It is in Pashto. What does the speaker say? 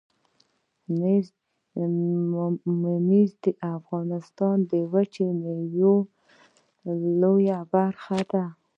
ممیز د افغانستان د وچې میوې لویه برخه ده